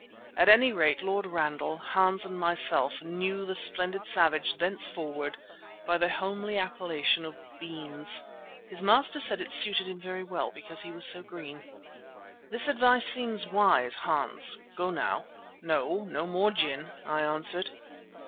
At any rate Lord Ragnall, Hans and myself knew the splendid Savage thenceforward by the homely appellation of Beans. His master said it suited him very well because he was so green. "The advice seems wise, Hans. Go now. No, no more gin," I answered.